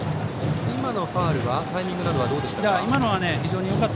今のファウルのタイミングなどはどうでしょうか？